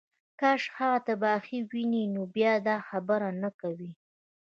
کاش هغه تباهۍ ووینې نو بیا به دا خبرې نه کوې